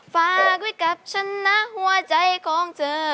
ฝากไว้กับฉันนะหัวใจของเธอ